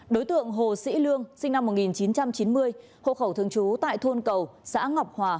đối tượng hồ sĩ lương sinh năm một nghìn chín trăm chín mươi hộ khẩu thường trú tại thôn cầu xã ngọc hòa